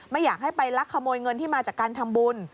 ไม่อยากให้ไปลักขโมยเงินที่มาจากการทำบุญ